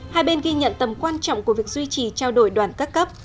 hai bên ghi nhận tầm quan trọng của việc duy trì trao đổi đoàn các cấp